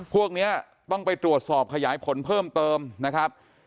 พวกนี้ต้องไปตรวจสอบขยายผลเพิ่มเติมนะครับ